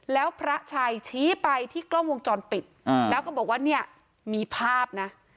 แล้วพระชัยชี้ไปที่กล้องวงจรปิดแล้วก็บอกว่าเนี่ยมีภาพนะ